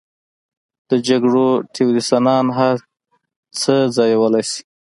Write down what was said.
د جګړو تیورسنان هر څه ځایولی شي.